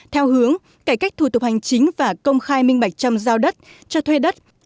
theo hướng cải cách thủ tục hành chính và công khai minh bạch châm giao đất cho thuê đất